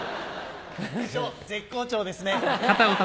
師匠絶好調ですね。